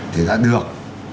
thì đã được